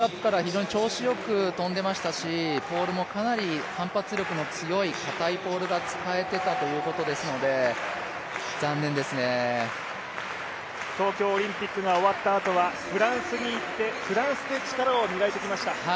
非常に悔しい表情をしてますけど、今日、ウオーミングアップから非常に調子よく跳んでいましたしポールもかなり反発力の高い硬いポールが使えていたということですので東京オリンピックが終わったあとはフランスに行ってフランスで力を磨いてきました。